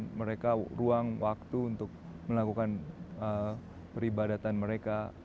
kita juga memberikan mereka ruang dan waktu untuk melakukan peribadatan mereka